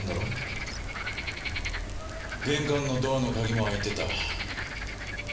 玄関のドアの鍵も開いてた。